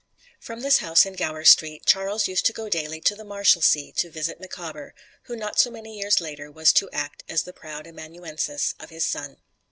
From this house in Gower Street, Charles used to go daily to the Marshalsea to visit Micawber, who not so many years later was to act as the proud amanuensis of his son.